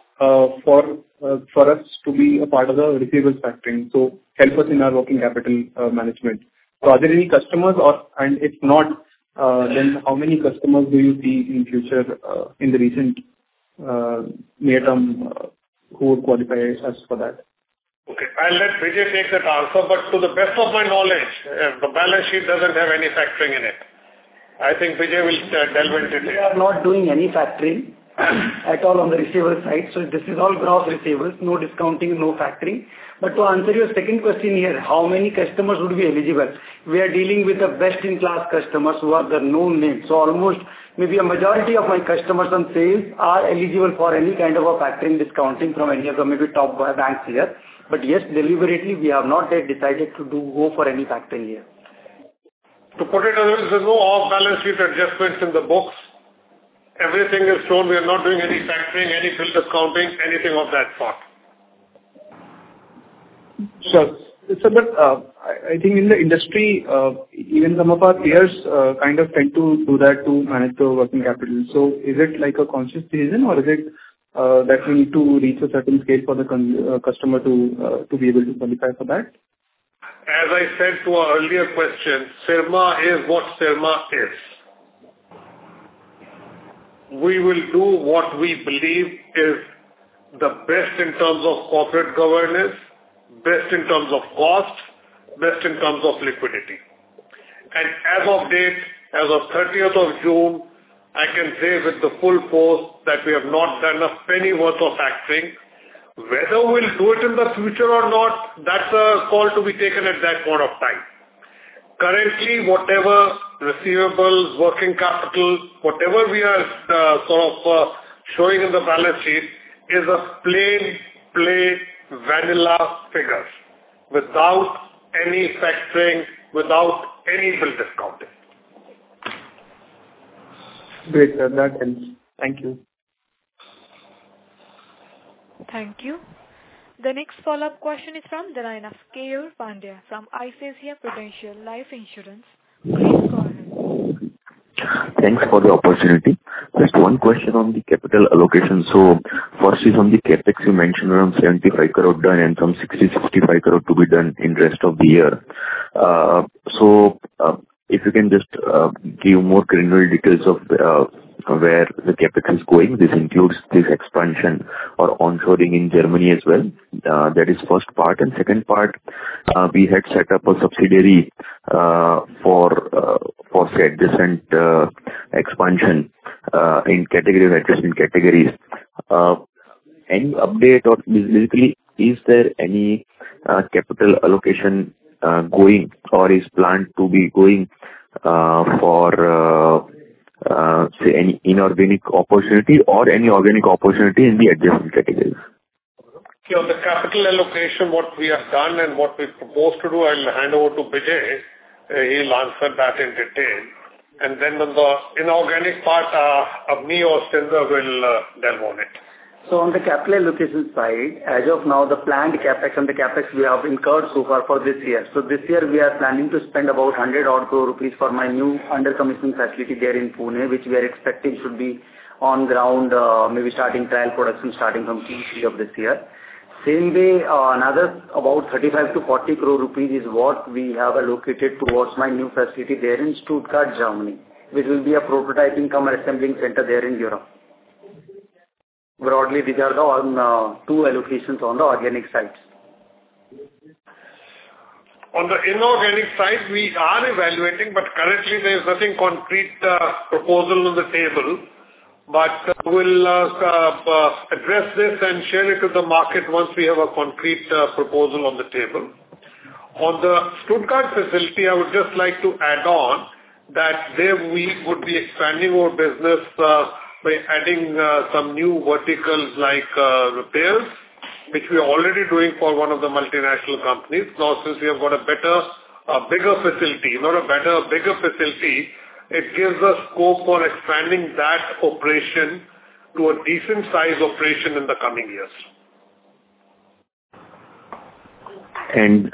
for us to be a part of the receivables factoring, so help us in our working capital management. So are there any customers or... If not, then how many customers do you see in future, in the recent, near term, who would qualify us for that? Okay, I'll let Bijay take that answer, but to the best of my knowledge, the balance sheet doesn't have any factoring in it. I think Bijay will delve into it. We are not doing any factoring at all on the receivable side, so this is all gross receivables, no discounting, no factoring. But to answer your second question here, how many customers would be eligible? We are dealing with the best-in-class customers who are the known names. So almost maybe a majority of my customers on sales are eligible for any kind of a factoring discounting from any of the maybe top banks here. But yes, deliberately, we have not yet decided to do, go for any factoring here. To put it another, there's no off-balance sheet adjustments in the books. Everything is shown. We are not doing any factoring, any filter counting, anything of that sort. Sure. So but, I think in the industry, even some of our peers, kind of tend to do that to manage their working capital. So is it like a conscious decision, or is it, that we need to reach a certain scale for the customer to be able to qualify for that? As I said to an earlier question, Syrma is what Syrma is. We will do what we believe is the best in terms of corporate governance, best in terms of cost, best in terms of liquidity. And as of date, as of thirtieth of June, I can say with the full force that we have not done a penny worth of factoring. Whether we'll do it in the future or not, that's a call to be taken at that point of time. Currently, whatever receivables, working capital, whatever we are, sort of, showing in the balance sheet is a plain vanilla figures, without any factoring, without any bill discounting. Great, sir. That helps. Thank you. Thank you. The next follow-up question is from the line of Keyur Pandya from ICICI Prudential Life Insurance. Please go ahead. Thanks for the opportunity. Just one question on the capital allocation. So firstly, on the CapEx, you mentioned around 75 crore done and 60 crore-65 crore to be done in rest of the year. So, if you can just give more granular details of where the capital is going, this includes this expansion or onshoring in Germany as well. That is first part, and second part, we had set up a subsidiary for, say, adjacent expansion in categories, adjacent categories. Any update or basically, is there any capital allocation going or is planned to be going for, say, any inorganic opportunity or any organic opportunity in the adjacent categories? Yeah, on the capital allocation, what we have done and what we propose to do, I'll hand over to Bijay. He'll answer that in detail. And then on the inorganic part, me or Satendra will delve on it. So on the capital allocation side, as of now, the planned CapEx and the CapEx we have incurred so far for this year. So this year we are planning to spend about 100 crore rupees for my new under commission facility there in Pune, which we are expecting should be on ground, maybe starting trial production starting from Q3 of this year. Same way, another about 35 crore-40 crore rupees is what we have allocated towards my new facility there in Stuttgart, Germany, which will be a prototyping cum assembling center there in Europe. Broadly, these are the, two allocations on the organic side. On the inorganic side, we are evaluating, but currently there is nothing concrete proposal on the table. But we'll address this and share it to the market once we have a concrete proposal on the table. On the Stuttgart facility, I would just like to add on that there we would be expanding our business by adding some new verticals like repairs, which we are already doing for one of the multinational companies. Now, since we have got a better, a bigger facility, not a better, a bigger facility, it gives us scope for expanding that operation to a decent size operation in the coming years.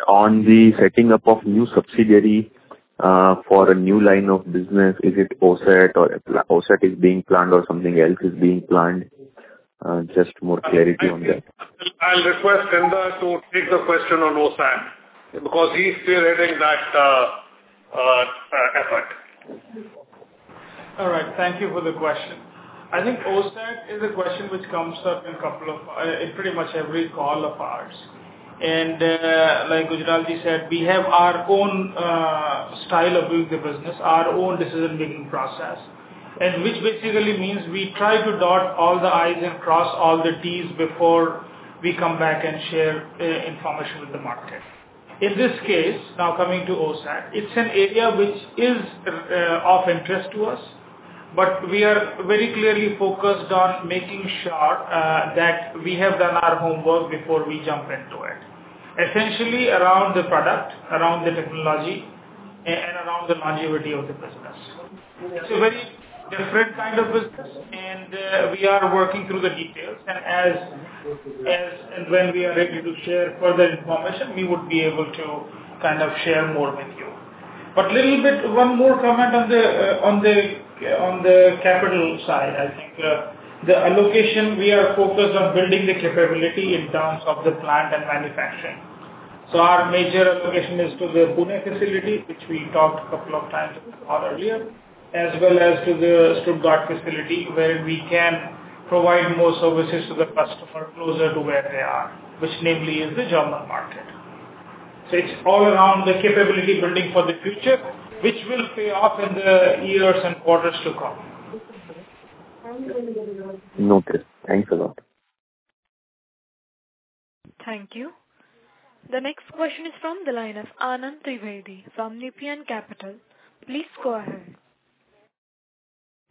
On the setting up of new subsidiary for a new line of business, is it OSAT or OSAT is being planned or something else is being planned? Just more clarity on that. I'll request Satendra to take the question on OSAT, because he's spearheading that effort. All right. Thank you for the question. I think OSAT is a question which comes up in a couple of, in pretty much every call of ours. And, like Gujral ji said, we have our own style of doing the business, our own decision-making process, and which basically means we try to dot all the I's and cross all the T's before we come back and share information with the market. In this case, now coming to OSAT, it's an area which is of interest to us, but we are very clearly focused on making sure that we have done our homework before we jump into it. Essentially, around the product, around the technology, and around the longevity of the business. It's a very different kind of business, and we are working through the details. As and when we are ready to share further information, we would be able to kind of share more with you. But little bit, one more comment on the capital side. I think the allocation, we are focused on building the capability in terms of the plant and manufacturing. So our major allocation is to the Pune facility, which we talked a couple of times about earlier, as well as to the Stuttgart facility, where we can provide more services to the customer closer to where they are, which mainly is the German market. So it's all around the capability building for the future, which will pay off in the years and quarters to come. Okay. Thanks a lot. Thank you. The next question is from the line of Anand Trivedi from Nepean Capital. Please go ahead.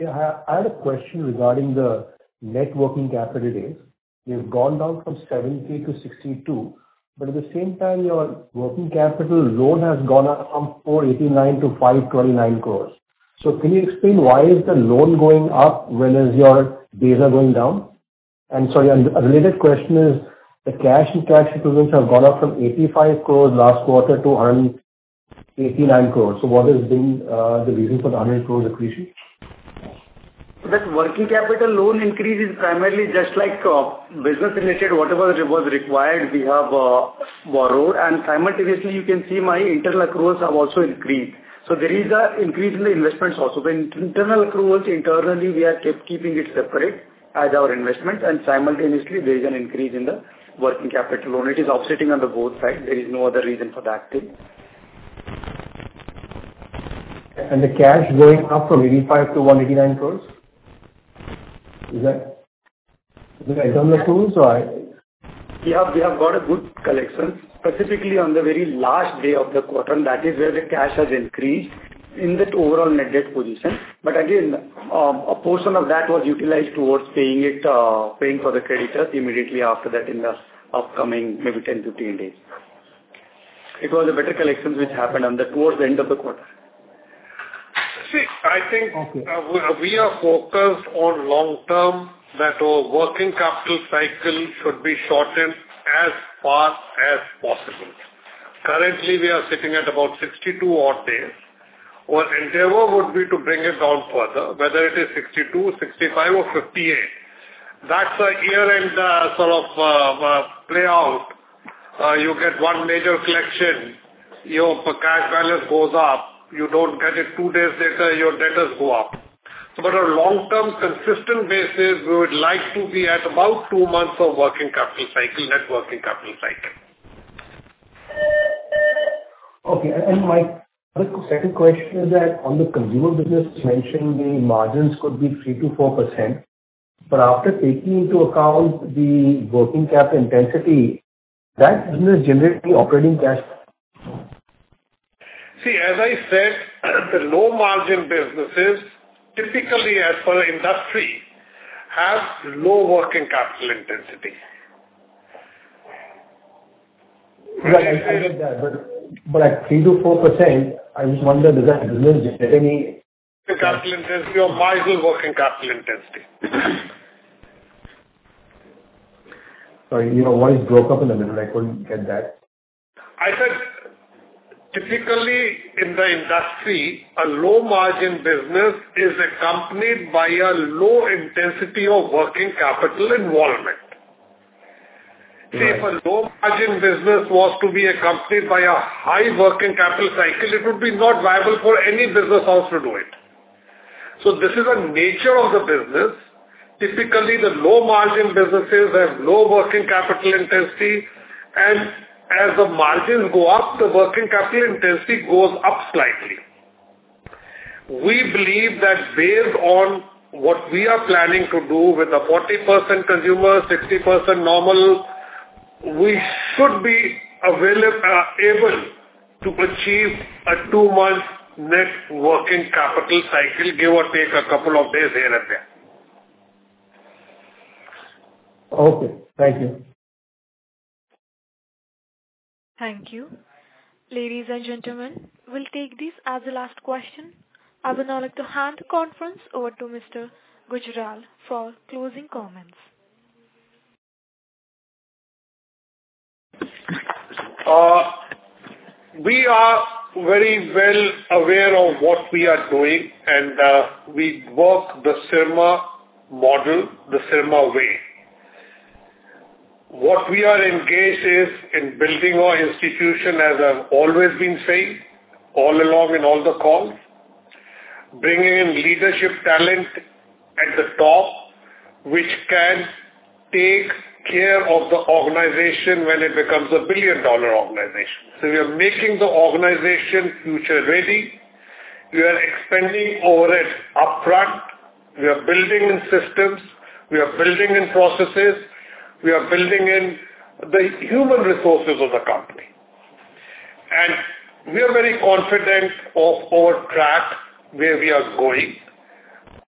Yeah, I, I had a question regarding the net working capital days. You've gone down from 70-62, but at the same time your working capital loan has gone up from 489 crores-529 crores. So can you explain why is the loan going up whereas your days are going down? And sorry, and a related question is, the cash and cash equivalents have gone up from 85 crores last quarter to 189 crores. So what has been the reason for the 100 crores increase? The working capital loan increase is primarily just like business related. Whatever it was required, we have borrowed, and simultaneously, you can see my internal accruals have also increased. So there is an increase in the investments also. When internal accruals, internally, we are keeping it separate as our investments, and simultaneously there is an increase in the working capital loan. It is offsetting on the both sides. There is no other reason for that thing. The cash going up from 85 crore-189 crore, is that the internal accruals or...? Yeah, we have got a good collection, specifically on the very last day of the quarter, and that is where the cash has increased in the overall net debt position. But again, a portion of that was utilized towards paying it, paying for the creditors immediately after that in the upcoming, maybe 10-13 days. It was better collections which happened towards the end of the quarter. See, I think- Okay. We are focused on long term, that our working capital cycle should be shortened as fast as possible. Currently, we are sitting at about 62 odd days. Our endeavor would be to bring it down further, whether it is 62, 65 or 58. That's a year-end, sort of, play out. You get one major collection, your cash balance goes up. You don't get it two days later, your debtors go up. But on a long-term, consistent basis, we would like to be at about two months of working capital cycle, net working capital cycle. Okay, and my second question is that on the Consumer business, you mentioned the margins could be 3%-4%, but after taking into account the working capital intensity, that business generates the operating cash? See, as I said, the low-margin businesses, typically as per industry, have low working capital intensity. Well, I get that, but at 3%-4%, I just wonder, does that business generate any- working capital intensity or marginal working capital intensity? Sorry, your voice broke up in the middle. I couldn't get that. I said, typically, in the industry, a low-margin business is accompanied by a low intensity of working capital involvement. Yeah. See, if a low-margin business was to be accompanied by a high working capital cycle, it would be not viable for any business house to do it. So this is the nature of the business. Typically, the low-margin businesses have low working capital intensity, and as the margins go up, the working capital intensity goes up slightly. We believe that based on what we are planning to do with the 40% Consumer, 60% normal, we should be available to achieve a two-month net working capital cycle, give or take a couple of days here and there. Okay, thank you. Thank you. Ladies and gentlemen, we'll take this as the last question. I would now like to hand the conference over to Mr. Gujral for closing comments. We are very well aware of what we are doing, and we work the Syrma model, the Syrma way. What we are engaged is in building our institution, as I've always been saying, all along in all the calls, bringing in leadership talent at the top, which can take care of the organization when it becomes a billion-dollar organization. So we are making the organization future-ready. We are expanding over it upfront. We are building in systems. We are building in processes. We are building in the human resources of the company. And we are very confident of our track, where we are going.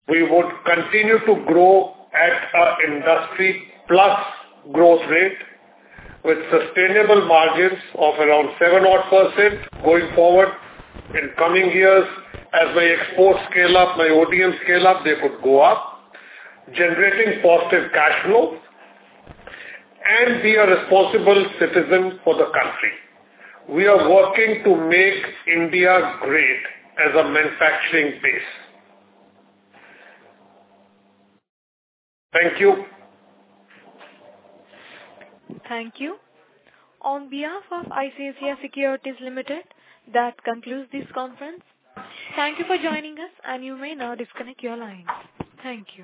We would continue to grow at an industry plus growth rate with sustainable margins of around 7% going forward in coming years. As my exports scale up, my ODM scale up, they would go up, generating positive cash flows, and be a responsible citizen for the country. We are working to make India great as a manufacturing base. Thank you. Thank you. On behalf of ICICI Securities Limited, that concludes this conference. Thank you for joining us, and you may now disconnect your lines. Thank you.